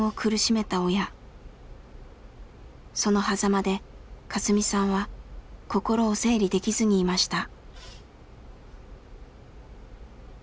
そのはざまでカスミさんは心を整理できずにいました。